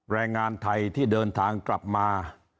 แรงงานไทยที่เดินทางกลับมา